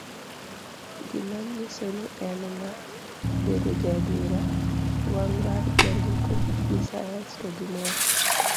gi manyiso ni en ng'a, bedo jaadiera, wang' marjandiko gi sayans to gimor